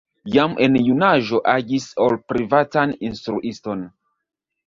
Jam en junaĝo agis ol privatan instruiston.